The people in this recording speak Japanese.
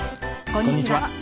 こんにちは。